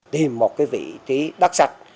tìm một vị trí đắc sắc